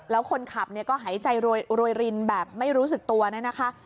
แล้วคนขับก็หายใจโรยรินแบบไม่รู้สึกตัวนะฮะ